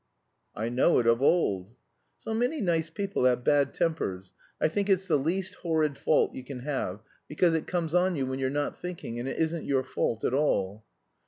"I know it of old." "So many nice people have bad tempers. I think it's the least horrid fault you can have; because it comes on you when you're not thinking, and it isn't your fault at all."